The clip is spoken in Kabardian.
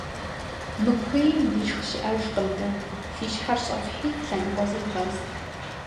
- Мы куейм дишх щыӏэжкъым дэ: фи щхьэр щӏэфхьи, лъэныкъуэ зевгъэз.